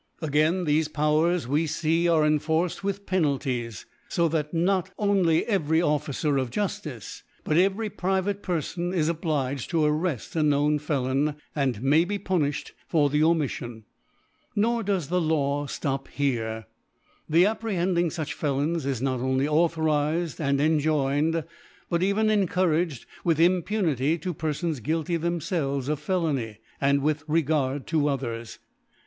A gain, thefe Powers we fee are enforced yrith Penalties , fo that nor only every Oificer of Juftice, but every private Perfon ♦ Hah's Hift. v: I. 582, v. II. 11 7 5 Co. ji b. is ^ Cissy is obKged to arreft a known Felon, and: may be puniQied for the Omiffion. Nor doth the Law ftop here. The ap prehending fuch Felons is not only autho* nzed and enjoined, but even encouraged^ with Impunity to Perfons guilty themfelveav of Felony, and with Reward to others.